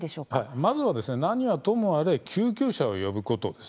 まずは何はともあれ救急車を呼ぶことです。